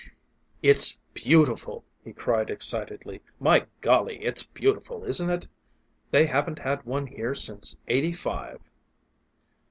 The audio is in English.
"It's beautiful!" he cried excitedly. "My golly, it's beautiful, isn't it! They haven't had one here since eighty five!"